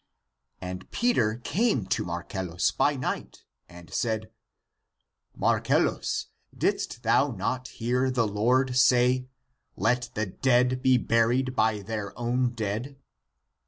And Peter came to Marcellus by night, and said, " Marcellus didst thou not hear the Lord say, ' Let the dead be buried by their own dead?